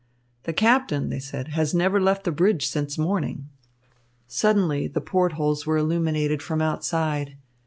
"The captain," they said, "has never left the bridge since morning." Suddenly the port holes were illuminated from outside.